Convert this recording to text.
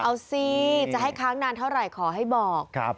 เอาสิจะให้ค้างนานเท่าไหร่ขอให้บอก